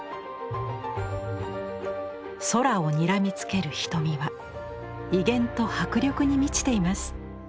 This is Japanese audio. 空をにらみつける瞳は威厳と迫力に満ちています。